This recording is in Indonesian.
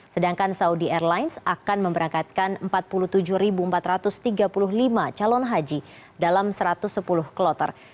sedangkan saudi airlines akan memberangkatkan empat puluh tujuh empat ratus tiga puluh lima calon haji dalam satu ratus sepuluh kloter